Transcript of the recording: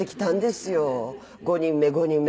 ５人目５人目。